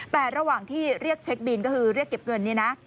แต่ระหว่างที่เรียกเช็คบินก็คือเรียกเก็บเงินเนี่ยนะ